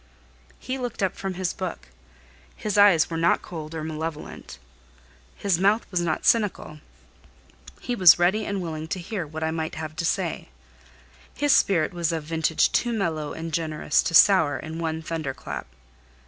He looked up from his book; his eyes were not cold or malevolent, his mouth was not cynical; he was ready and willing to hear what I might have to say: his spirit was of vintage too mellow and generous to sour in one thunder clap.